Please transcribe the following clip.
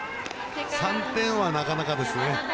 ３点はなかなかですね。